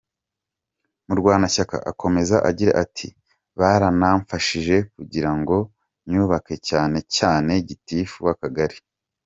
Murwanashyaka akomeza agira ati “Baranamfashije kugira ngo nyubake cyane cyane Gitifu w’Akagari.